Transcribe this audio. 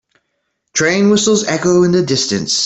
Train whistles echo in the distance.